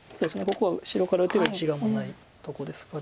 ここは白から打てば１眼もないとこですから。